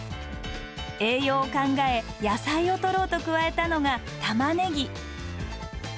栄養を考え野菜をとろうと加えたのがたまねぎ。